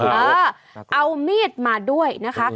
เออเอามีดมาด้วยนะคะ